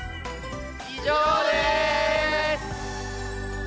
以上です！